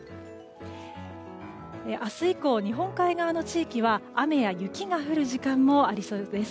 明日以降日本海側の地域は雨や雪が降る時間もありそうです。